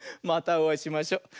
またおあいしましょ。